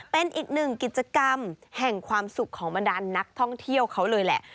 เป็นอีกหนึ่งกิจกรรมแห่งความสุขของบรรดานนักท่องเที่ยวเขาเลยแหละ